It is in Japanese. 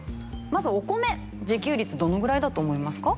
まずお米自給率どのぐらいだと思いますか？